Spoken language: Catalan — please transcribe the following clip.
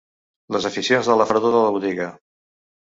Les aficions de la fredor de la botiga